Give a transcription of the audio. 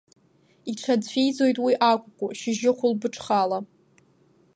Иҽацәиӡоит уи акәыкәу, Шьыжьы-хәылбыҽхала.